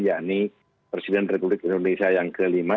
yakni presiden republik indonesia yang kelima